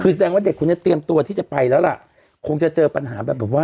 คือแสดงว่าเด็กคนนี้เตรียมตัวที่จะไปแล้วล่ะคงจะเจอปัญหาแบบว่า